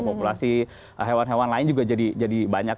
populasi hewan hewan lain juga jadi banyak